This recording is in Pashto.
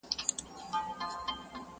نه چا خبره پکښی کړه نه یې ګیلې کولې٫